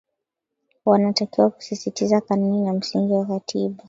wanatakiwa kusisitiza kanuni na msingi ya katiba